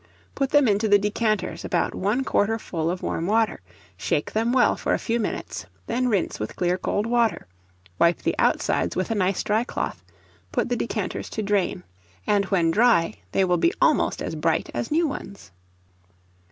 Put them into the decanters about one quarter full of warm water; shake them well for a few minutes, then rinse with clear cold water; wipe the outsides with a nice dry cloth, put the decanters to drain, and when dry they will be almost as bright as new ones.